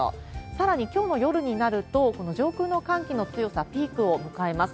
さらに、きょうの夜になると、この上空の寒気の強さ、ピークを迎えます。